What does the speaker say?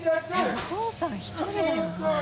お父さん１人だよな。